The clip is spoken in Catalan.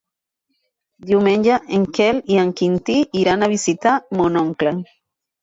Diumenge en Quel i en Quintí iran a visitar mon oncle.